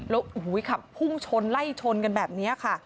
แล้วขับพุ่งชนไล่ชนกันแบบนี้ค่ะ